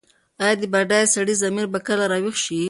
ایا د بډایه سړي ضمیر به کله راویښ شي؟